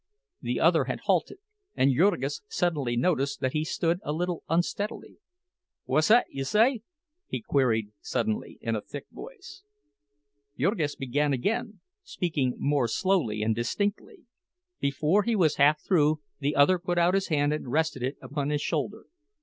The other had halted, and Jurgis suddenly noticed that he stood a little unsteadily. "Whuzzat you say?" he queried suddenly, in a thick voice. Jurgis began again, speaking more slowly and distinctly; before he was half through the other put out his hand and rested it upon his shoulder.